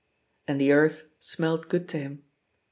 And the earth smelt good to him.